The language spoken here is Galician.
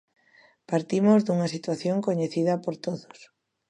Partimos dunha situación coñecida por todos.